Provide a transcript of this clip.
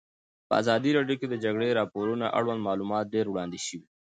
په ازادي راډیو کې د د جګړې راپورونه اړوند معلومات ډېر وړاندې شوي.